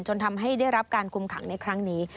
จนทำให้ได้รับการคุมขังในครั้งนี้